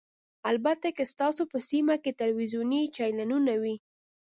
البته که ستاسو په سیمه کې تلویزیوني چینلونه وي